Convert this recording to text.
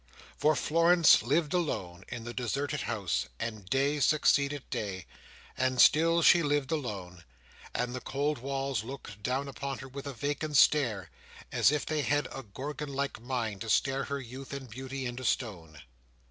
For Florence lived alone in the deserted house, and day succeeded day, and still she lived alone, and the cold walls looked down upon her with a vacant stare, as if they had a Gorgon like mind to stare her youth and beauty into stone.